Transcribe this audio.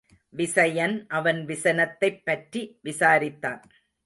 விசயன் அவன் விசனத்தைப் பற்றி விசாரித்தான்.